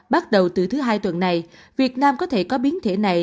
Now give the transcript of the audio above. bắt đầu từ thứ hai tuần này việt nam có thể có biến thể này